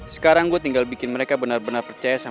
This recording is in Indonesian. sekarang gue tinggal bikin mereka bener bener percaya sama gue